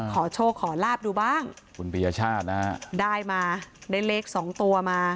ขอโชคขอลาบดูบ้างคุณปียชาตินะฮะได้มาได้เลขสองตัวมา